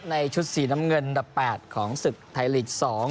ในชุดสีน้ำเงินอันดับ๘ของศึกไทยลีก๒